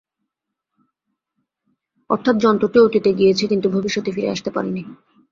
অর্থাৎ যন্ত্রটি অতীতে গিয়েছে কিন্তু ভবিষ্যতে ফিরে আসতে পারেনি।